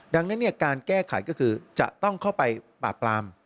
ดังนั้นการแก้ไขก็คือจะต้องเข้าไปปราบปราม